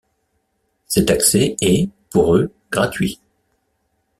Cet accès est, pour eux, gratuit.